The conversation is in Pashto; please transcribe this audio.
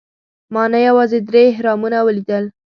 ما نه یوازې درې اهرامونه ولیدل.